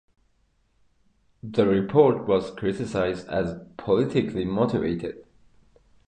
The report was criticised as "politically motivated".